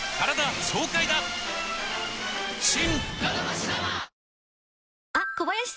新！